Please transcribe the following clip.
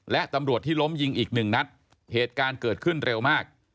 และตำรวจที่ล้มยิงอีกหนึ่งนัดเหตุการณ์เกิดขึ้นเร็วมาก